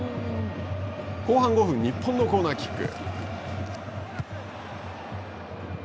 後半５分日本のコーナーキック。